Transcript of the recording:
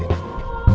ini randy kan